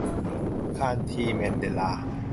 คานธี แมนเดลลา